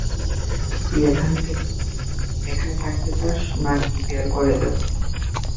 তুই এখানে থাকতে চাস, না কী বের করে দেব?